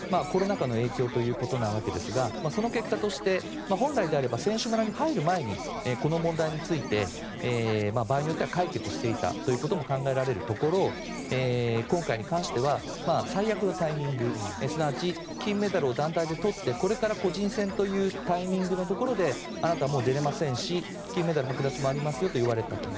コロナ禍の影響というわけですがその結果として本来であれば選手村に入る前にこの問題について場合によっては解決していたということも考えられるところ今回に関しては最悪のタイミングすなわち金メダルを団体で取ってこれから個人戦というタイミングのところであなた、もう出られませんし金メダルはく奪もありますよと言われた。